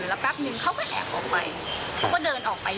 เออแล้วแป๊บหนึ่งเขาก็แอบออกไป